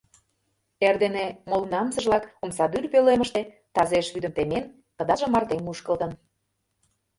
Эрдене молгунамсыжлак омсадӱр пӧлемыште, тазеш вӱдым темен, кыдалже марте мушкылтын.